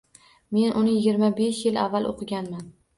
Men uni yigirma besh yil avval o‘qiganman